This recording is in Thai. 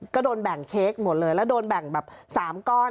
ก็โดนแบ่งเค้กหมดเลยแล้วโดนแบ่งแบบ๓ก้อน